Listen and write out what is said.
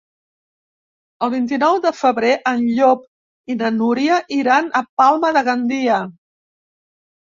El vint-i-nou de febrer en Llop i na Núria iran a Palma de Gandia.